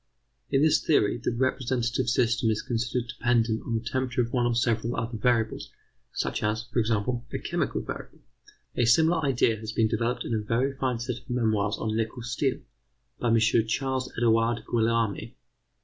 In this theory, the representative system is considered dependent on the temperature of one or several other variables, such as, for example, a chemical variable. A similar idea has been developed in a very fine set of memoirs on nickel steel, by M. Ch. Ed. Guillaume.